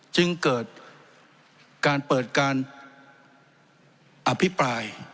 จึงเกิดการเปิดการอภิปราย